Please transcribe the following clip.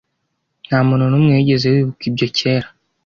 Nta muntu n'umwe wigeze yibuka ibyo kera